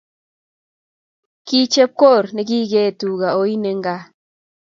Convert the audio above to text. Ki chepkorir negigee tuga oin eng gaa